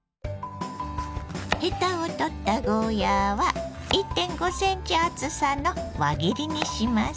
ヘタを取ったゴーヤーは１．５センチ厚さの輪切りにします。